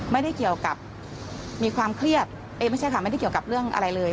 ไม่ได้เกี่ยวกับมีความเครียดไม่ใช่ค่ะไม่ได้เกี่ยวกับเรื่องอะไรเลย